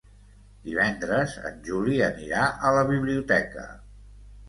Divendres en Juli anirà a la biblioteca.